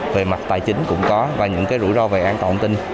về mặt tài chính cũng có và những cái rủi ro về an toàn tin